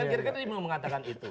kira kira dia mau mengatakan itu